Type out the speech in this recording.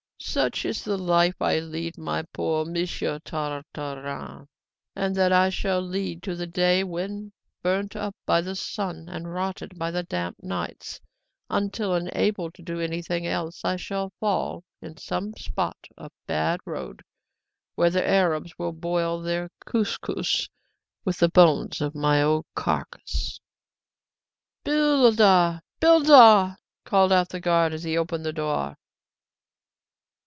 "Such is the life I lead, my poor Monsieur Tartarin, and that I shall lead to the day when burnt up by the sun and rotted by the damp nights until unable to do anything else, I shall fall in some spot of bad road, where the Arabs will boil their kouskous with the bones of my old carcass" "Blidah! Blidah!" called out the guard as he opened the door.